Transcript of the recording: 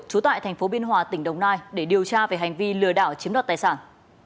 trú tại thành phố biên hòa tỉnh đồng nai để điều tra về hành vi lừa đảo chiếm đoạt tài sản